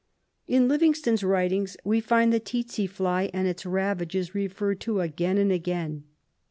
In Livingstone's writings we find the tsetse fly and its ravages referred to again and again.